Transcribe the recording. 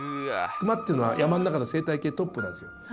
熊っていうのは山の中の生態系トップなんですよ。